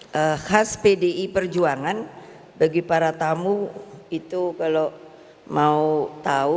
hai khas pdi perjuangan bagi para tamu itu kalau mau tahu